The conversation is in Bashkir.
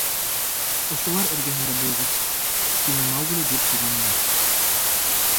— Ошолар эргәһендә булығыҙ, — тине Маугли дүрт туғанына.